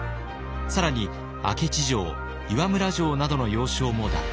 更に明知城岩村城などの要衝も奪還。